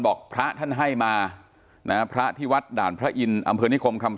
พระท่านให้มานะพระที่วัดด่านพระอินทร์อำเภอนิคมคำ